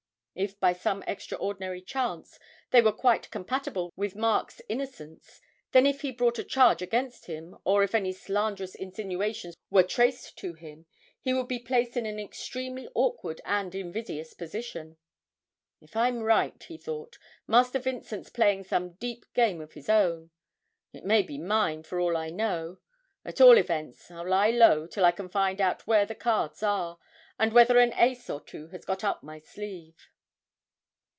If by some extraordinary chance they were quite compatible with Mark's innocence, then if he brought a charge against him, or if any slanderous insinuations were traced to him, he would be placed in an extremely awkward and invidious position. 'If I'm right,' he thought, 'Master Vincent's playing some deep game of his own it may be mine for all I know; at all events I'll lie low till I can find out where the cards are, and whether an ace or two has got up my sleeve.'